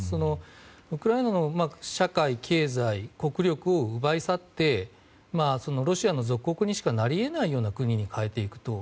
ウクライナの社会、経済国力を奪い去ってロシアの属国にしかなりえないような国に変えていくと。